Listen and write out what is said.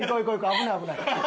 危ない危ない。